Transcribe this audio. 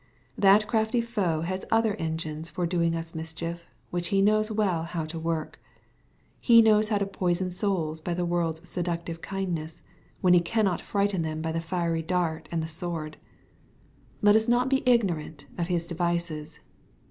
That crafty foe has other engines for doing us mischief, which he knows well how to work. He knows how to poison souls by the world's seductive kindness, when he cannot frighten them by the fiery dart and the sword. Let us not be ignorant of his devices.